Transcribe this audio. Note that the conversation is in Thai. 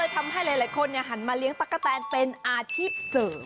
ทำให้หลายคนหันมาเลี้ยตั๊กกะแตนเป็นอาชีพเสริม